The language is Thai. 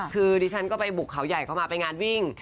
คือดิฉันก็ไปบุกเขาใหญ่เข้ามาไปงานวิ่ง